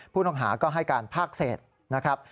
ผู้ต้องหาก็ให้การภาคเศษนะครับ